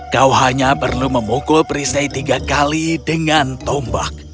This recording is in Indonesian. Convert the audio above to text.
kau hanya perlu memukul perisai tiga kali dengan tombak